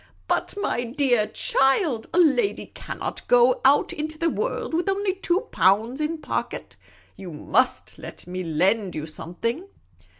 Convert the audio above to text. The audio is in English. " But, my dear child, a lady can't go out into the world with only two pounds in pocket. You must let me lend you something."